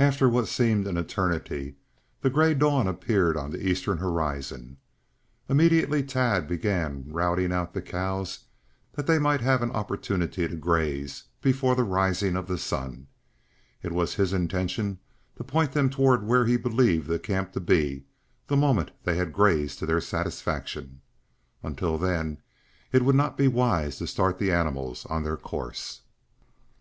After what seemed an eternity, the gray dawn appeared on the eastern horizon. Immediately Tad began routing out the cows that they might have an opportunity to graze before the rising of the sun. It was his intention to point them toward where he believed the camp to be the moment they had grazed to their satisfaction. Until then it would not be wise to start the animals on their course.